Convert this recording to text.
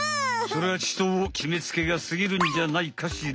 それはちときめつけがすぎるんじゃないかしらん。